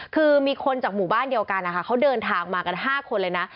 คือมีคนจากหมู่บ้านเดียวกันนะคะเขาเดินทางมากัน๕คนเลยนะ